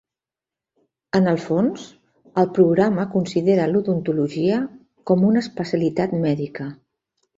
En el fons, el programa considera l'odontologia com una especialitat mèdica.